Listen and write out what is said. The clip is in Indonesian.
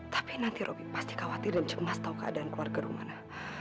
tapi nanti roby pasti khawatir dan cemas tahu keadaan keluarga rumah